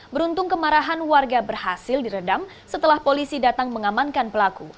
beruntung kemarahan warga berhasil diredam setelah polisi datang mengamankan pelaku